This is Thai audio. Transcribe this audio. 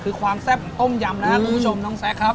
คือความแซ่บของต้มยำนะครับคุณผู้ชมน้องแซคครับ